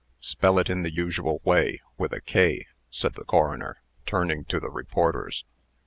"Spell it in the usual way, with a 'k'" said the coroner, turning to the reporters.